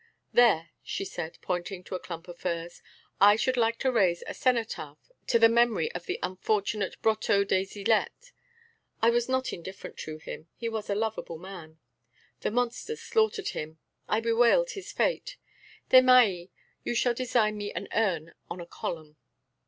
"There," she said, pointing to a clump of firs, "I should like to raise a cenotaph to the memory of the unfortunate Brotteaux des Ilettes. I was not indifferent to him; he was a lovable man. The monsters slaughtered him; I bewailed his fate. Desmahis, you shall design me an urn on a column."